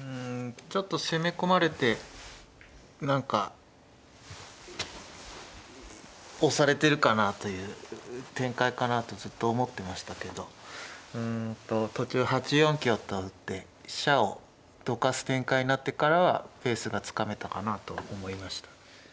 うんちょっと攻め込まれて何か押されてるかなという展開かなとずっと思ってましたけどうんと途中８四香と打って飛車をどかす展開になってからはペースがつかめたかなと思いました。